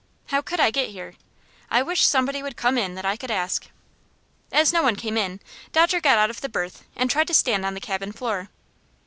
How could I get here? I wish somebody would come in that I could ask." As no one came in, Dodger got out of the berth, and tried to stand on the cabin floor.